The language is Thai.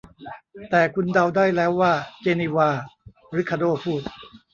แต่คุณเดาได้แล้วว่า 'เจนีวา' ริคาร์โด้พูด